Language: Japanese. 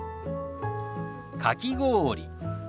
かき氷。